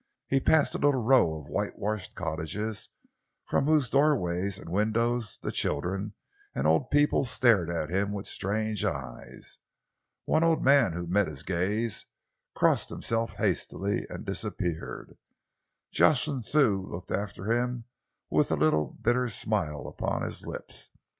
He passed a little row of whitewashed cottages, from whose doorways and windows the children and old people stared at him with strange eyes. One old man who met his gaze crossed himself hastily and disappeared. Jocelyn Thew looked after him with a bitter smile upon his lips.